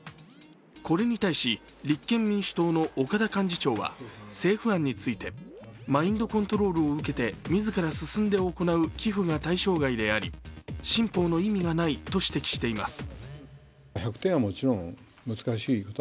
これに対し、立憲民主党の岡田幹事長は、政府案についてマインドコントロールを受けて自ら進んで行う寄付が対象外であり新法の意味がないと指摘しています。